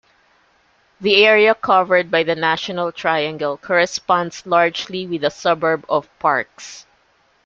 The area covered by the National Triangle corresponds largely with the suburb of Parkes.